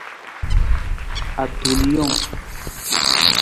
Atulijang.